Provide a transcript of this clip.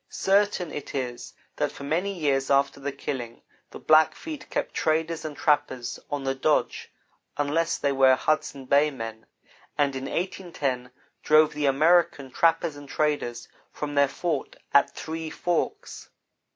Certain it is that for many years after the killing, the Blackfeet kept traders and trappers on the dodge unless they were Hudson Bay men, and in 1810 drove the "American" trappers and traders from their fort at Three Forks.